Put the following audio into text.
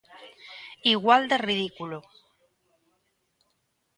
Igual de ridículo.